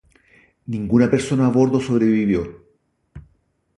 Ninguna persona a bordo sobrevivió.